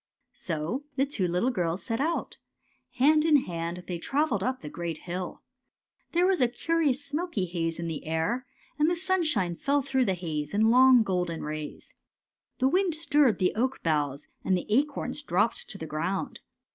" So the two little girls set out. Hand in hand they travelled up the great hill. There was a curious smoky haze in the air, and the sun shine fell through the haze in long golden rays. The wind stirred the oak boughs, and the acorns dropped to the ground.